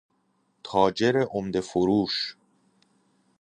تاجر عمده فروش